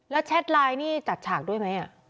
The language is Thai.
แล้วแชทไลน์นี่จัดฉากด้วยไหม